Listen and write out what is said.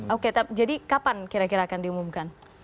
oke jadi kapan kira kira akan diumumkan